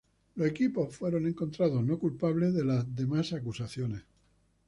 Los equipos fueron encontrados no culpables de las demás acusaciones.